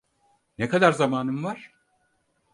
Ne kadar zamanım var?